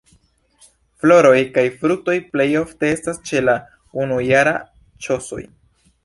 Floroj kaj fruktoj plej ofte estas ĉe la unujaraj ŝosoj.